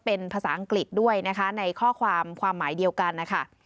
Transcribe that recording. เป็นภาษาอังกฤษด้วยนะคะในข้อความความหมายเดียวกันนะคะ